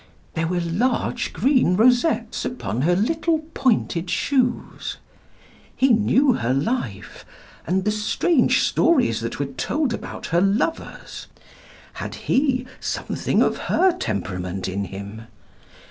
There were large green rosettes upon her little pointed shoes. He knew her life, and the strange stories that were told about her lovers. Had he something of her temperament in him?